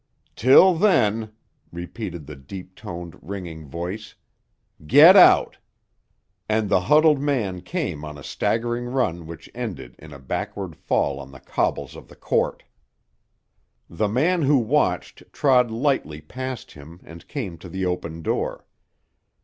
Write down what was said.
"Till then," repeated the deep toned, ringing voice, "get out!" And the huddled man came on a staggering run which ended in a backward fall on the cobbles of the court. The man who watched trod lightly past him and came to the open door.